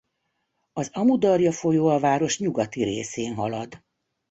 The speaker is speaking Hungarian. Az Amu-darja folyó a város nyugati részén halad.